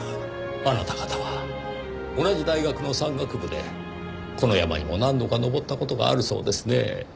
あなた方は同じ大学の山岳部でこの山にも何度か登った事があるそうですねぇ。